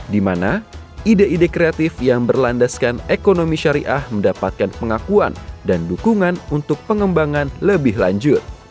di mana ide ide kreatif yang berlandaskan ekonomi syariah mendapatkan pengakuan dan dukungan untuk pengembangan lebih lanjut